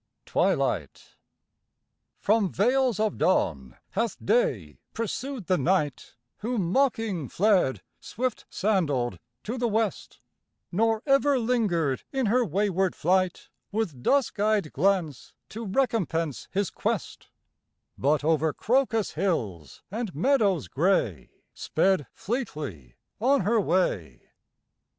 81 TWILIGHT From vales of dawn hath Day pursued the Night Who mocking fled, swift sandalled, to the west, Nor ever lingered in her wayward flight With dusk eyed glance to recompense his quest, But over crocus hills and meadows gray Sped fleetly on her way.